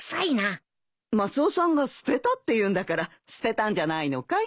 マスオさんが捨てたって言うんだから捨てたんじゃないのかい？